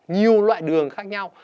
nhiều loại đường khác nhau